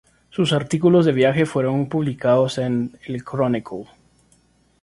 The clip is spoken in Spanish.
Sus artículos de viaje fueron publicados en el "Chronicle".